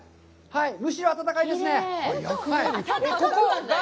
むしろ暖かいですね、はい。